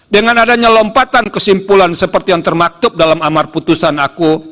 dengan adanya lompatan kesimpulan seperti yang termaktub dalam amar putusan aku